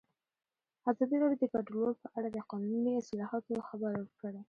ازادي راډیو د کډوال په اړه د قانوني اصلاحاتو خبر ورکړی.